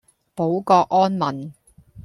保國安民